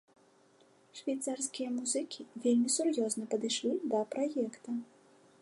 Швейцарскія музыкі вельмі сур'ёзна падышлі да праекта.